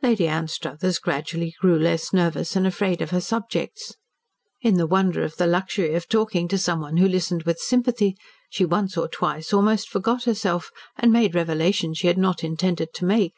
Lady Anstruthers gradually grew less nervous and afraid of her subjects. In the wonder of the luxury of talking to someone who listened with sympathy, she once or twice almost forgot herself and made revelations she had not intended to make.